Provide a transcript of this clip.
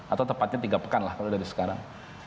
atau tepatnya tiga pekan lah kalau dari sekarang